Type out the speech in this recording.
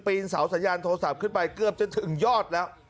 นเสาสัญญาณโทรศัพท์ขึ้นไปเกือบจะถึงยอดแล้ว